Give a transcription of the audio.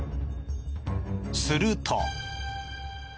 すると。